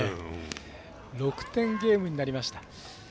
６点ゲームになりました。